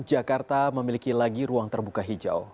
jakarta memiliki lagi ruang terbuka hijau